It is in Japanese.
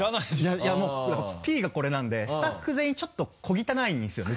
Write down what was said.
いやもうだからＰがこれなんでスタッフ全員ちょっと小汚いんですよね